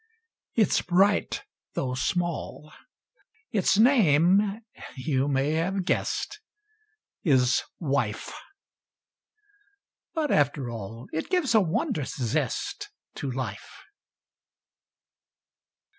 It s bright, though small; Its name, you may have guessed, Is "Wife." But, after all, It gives a wondrous zest To life!